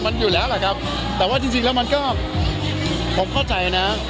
มันอยู่แล้วแหละครับแต่ว่าจริงจริงแล้วมันก็ผมเข้าใจนะ